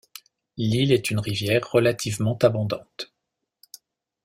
L'Isle est une rivière relativement abondante.